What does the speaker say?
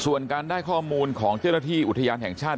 ส่วนการได้ข้อมูลของเจ้าหน้าที่อุทยานแห่งชาติ